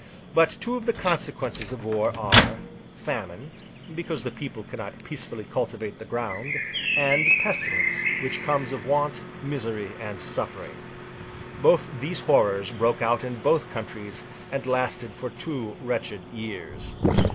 But, two of the consequences of wars are, Famine—because the people cannot peacefully cultivate the ground—and Pestilence, which comes of want, misery, and suffering. Both these horrors broke out in both countries, and lasted for two wretched years.